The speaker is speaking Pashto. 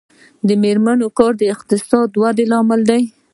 د میرمنو کار د اقتصادي ودې لامل دی.